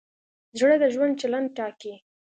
زړه د ژوند چلند ټاکي.